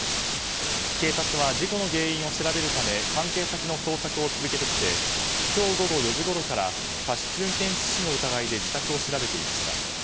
警察は事故の原因を調べるため関係先の捜索を続けてきて今日午後４時ごろから過失運転致死の疑いで自宅を調べていました。